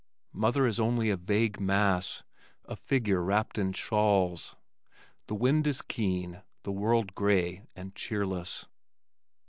Mother is only a vague mass, a figure wrapped in shawls. The wind is keen, the world gray and cheerless.